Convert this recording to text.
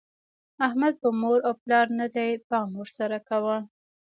احمد په مور او پلار نه دی؛ پام ور سره کوه.